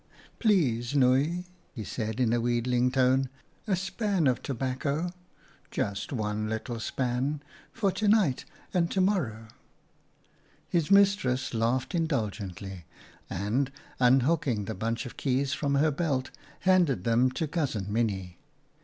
please, Nooi !" he said in a wheedling tone, " a span of tobacco — just one little span for to night and to morrow." His mistress laughed indulgently, and, un hooking the bunch of keys from her belt, handed them to Cousin Minnie.